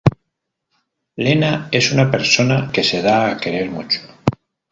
Lena es una persona que se da a querer mucho.